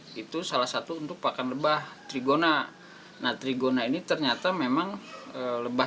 itu salah satu untuk pakan lebah trigona nah trigona ini ternyata memang lebah